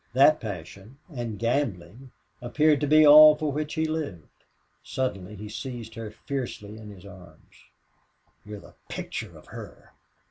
That passion and gambling appeared to be all for which he lived. Suddenly he seized her fiercely in his arms. "You're the picture of HER!"